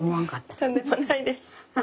とんでもないです。